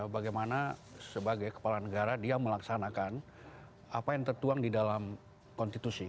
bagaimana sebagai kepala negara dia melaksanakan apa yang tertuang di dalam konstitusi